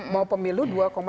mau pemilu dua tujuh